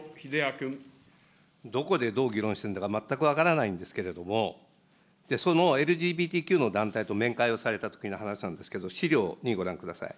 どこでどう議論してんだか、全く分からないんですけれども、そのＬＧＢＴＱの団体と面会をされたときの話なんですけど、資料２、ご覧ください。